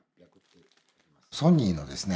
ソニーのですね